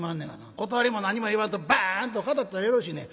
断りも何も言わんとバーンと語ったらよろしいねん。